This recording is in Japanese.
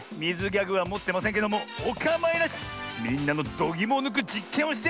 ギャグはもってませんけどもおかまいなし！